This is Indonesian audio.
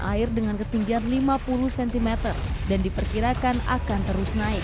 air dengan ketinggian lima puluh cm dan diperkirakan akan terus naik